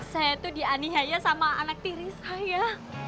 saya itu dianiaya sama anak tiri saya